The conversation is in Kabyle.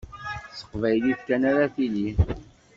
S teqbaylit kan ara tili.